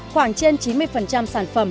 khoảng trên chín mươi sản phẩm